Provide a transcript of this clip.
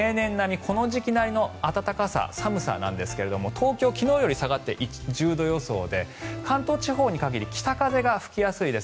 この時期なりの暖かさ寒さなんですが東京、昨日より下がって１０度予想で関東地方に限り北風が吹きやすいです。